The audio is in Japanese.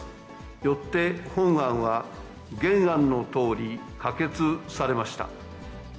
よって本案は、原案のとおり可決されました。